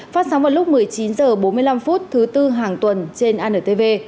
phát sóng vào lúc một mươi chín h bốn mươi năm thứ tư hàng tuần trên antv